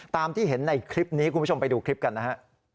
ตามที่เห็นในคลิปนี้คุณผู้ชมไปดูคลิปกันนะฮะ